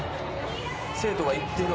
生徒が行っている。